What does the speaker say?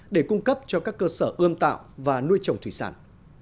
để cung cấp cho các cơ sở ươm tạo và nuôi trồng thủy sản